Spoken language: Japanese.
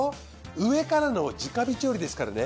上からの直火調理ですからね。